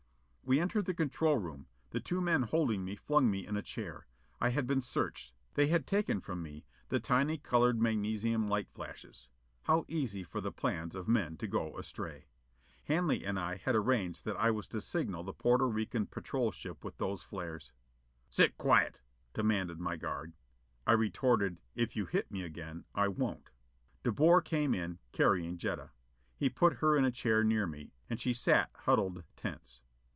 We entered the control room. The two men holding me flung me in a chair. I had been searched. They had taken from me the tiny, colored magnesium light flashes. How easy for the plans of men to go astray! Hanley and I had arranged that I was to signal the Porto Rican patrol ship with those flares. "Sit quiet!" commanded my guard. I retorted, "If you hit me again, I won't." De Boer came in, carrying Jetta. He put her in a chair near me, and she sat huddled tense.